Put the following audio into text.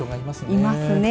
いますね。